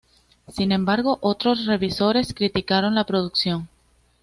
Sin embargo, otros revisores criticaron la producción.